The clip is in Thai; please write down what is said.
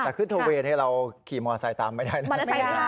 แต่ขึ้นโทเวเราขี่มอเตอร์ไซต์ตามไม่ได้